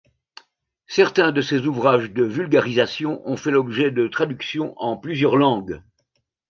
Certains de ces ouvrages de vulgarisation ont fait l'objet de traductions en plusieurs langues.